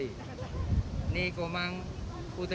ini komang putrika